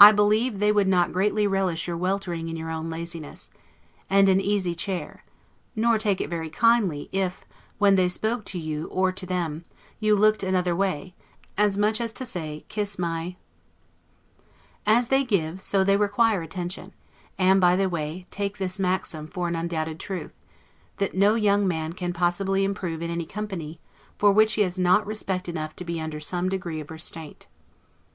I believe they would not greatly relish your weltering in your own laziness, and an easy chair; nor take it very kindly, if, when they spoke to you or you to them, you looked another way, as much as to say, kiss my b h. As they give, so they require attention; and, by the way, take this maxim for an undoubted truth, That no young man can possibly improve in any company, for which he has not respect enough to be under some degree of restraint.